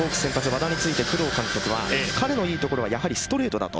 和田について工藤監督は、彼のいいところはストレートだと。